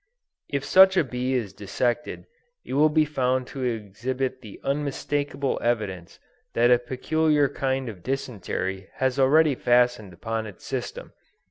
If such a bee is dissected it will be found to exhibit the unmistakable evidence that a peculiar kind of dysentery has already fastened upon its system.